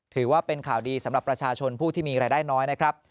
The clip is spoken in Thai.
ถือว่าเป็นข่าวดีสำหรับประชาชนผู้ที่มีรายได้น้อยนะครับ